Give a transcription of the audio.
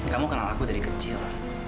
kamu kenal aku dari kecil